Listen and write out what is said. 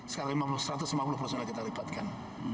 sekali satu ratus lima puluh personel kita lipatkan